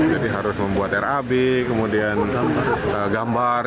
jadi harus membuat rab kemudian gambar